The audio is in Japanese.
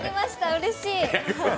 うれしい。